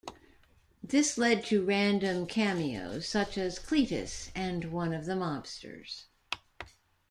This led to random cameos such as Cletus and one of the mobsters.